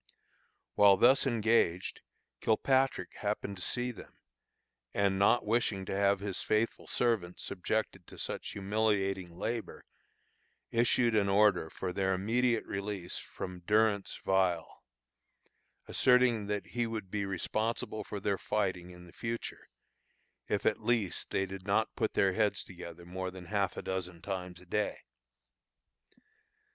While thus engaged, Kilpatrick happened to see them, and, not wishing to have his faithful servants subjected to such humiliating labor, issued an order for their immediate release from durance vile, asserting that he would be responsible for their fighting in the future, if at least they did not put their heads together more than half a dozen times a day.